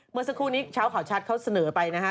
เมื่อสักครู่นี้เช้าข่าวชัดเขาเสนอไปนะฮะ